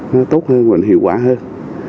nó tốt hơn hiệu quả hơn